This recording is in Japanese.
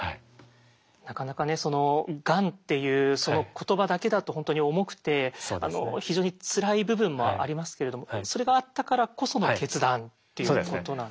なかなかねそのがんっていうその言葉だけだと本当に重くて非常につらい部分もありますけれどもそれがあったからこその決断っていうことなんです。